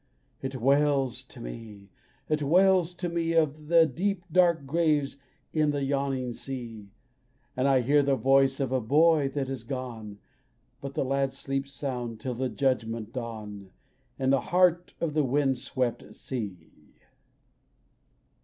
It wails to me, it wails to me, Of the deep dark graves in the yawning sea; And I hear the voice of a boy that is gone. But the lad sleeps sound till the judgment dawn In the heart of the wind swept sea.